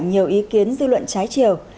nhiều ý kiến dư luận trái chiều